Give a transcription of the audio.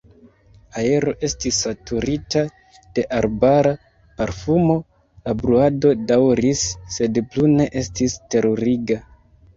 Aero estis saturita de arbara parfumo, la bruado daŭris, sed plu ne estis teruriga.